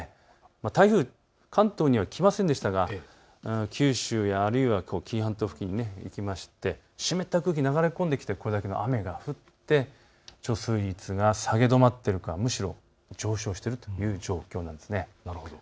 台風、関東には来ませんでしたが九州や紀伊半島付近、行きまして湿った空気が流れ込んできてこれだけの雨が降って貯水率が下げ止まっているか、むしろ上昇しているという状況なんです。